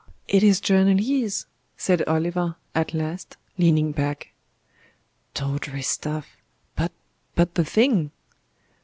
it is journalese," said Oliver, at last, leaning back. "Tawdry stuff! But but the thing!"